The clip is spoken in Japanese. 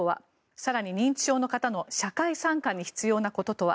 更に、認知症の方の社会参加に必要なこととは。